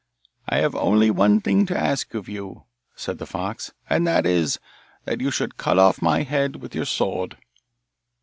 'I have only one thing to ask of you,' said the fox, 'and that is, that you should cut off my head with your sword.